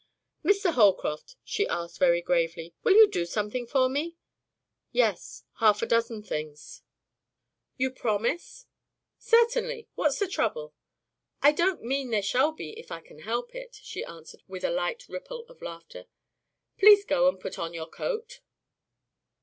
"Mr. Holcroft," she asked very gravely, "will you do something for me?" "Yes, half a dozen things." "You promise?" "Certainly! What's the trouble?" "I don't mean there shall be any if I can help it," she answered with a light ripple of laughter. "Please go and put on your coat."